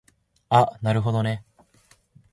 あなるほどね